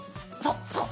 そう！